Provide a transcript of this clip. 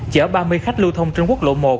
chở ba mươi khách lưu thông trên quốc lộ một